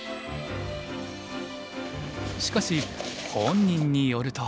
しかし本人によると。